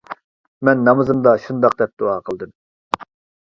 مەن نامىزىمدا شۇنداق دەپ دۇئا قىلدىم.